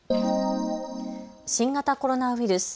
新型コロナウイルス。